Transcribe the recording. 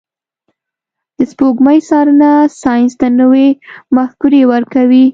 د سپوږمۍ څارنه ساینس ته نوي مفکورې ورکوي.